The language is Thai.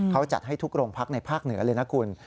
เขาจัดให้ทุกโรงพักในภาคเหนือเลยนะคุณ